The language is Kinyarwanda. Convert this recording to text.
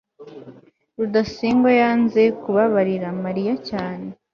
rudasingwa yanze kubabarira mariya cyane